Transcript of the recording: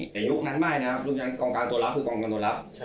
แต่ยุคนั้นไม่นะครับยุคนั้นกองกลางตัวรับคือกองเงินตัวรับ